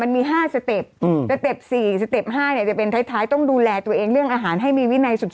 มันมี๕สเต็ปสเต็ป๔สเต็ป๕เนี่ยจะเป็นท้ายต้องดูแลตัวเองเรื่องอาหารให้มีวินัยสุด